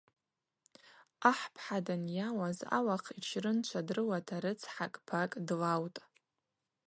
Ахӏ пхӏа данйауаз ауахъ йчрынчва дрыуата рыцхӏакӏ пакӏ длаутӏ.